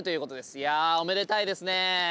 いやおめでたいですね。